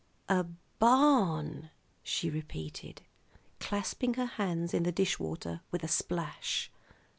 A barn!" she repeated, clasping her hands in the dish water with a splash.